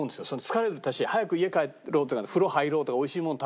疲れたし早く家帰ろうっていうか風呂入ろうとかおいしいもの